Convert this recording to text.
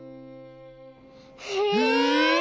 へえ！